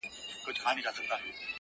د نظرونو په بدل کي مي فکرونه راوړل.